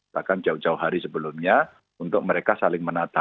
bahkan jauh jauh hari sebelumnya untuk mereka saling menata